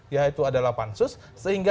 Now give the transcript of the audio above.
yaitu adalah pansus sehingga